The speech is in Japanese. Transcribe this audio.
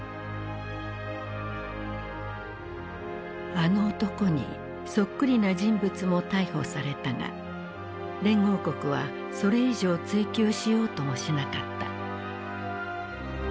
あの男にそっくりな人物も逮捕されたが連合国はそれ以上追及しようともしなかった。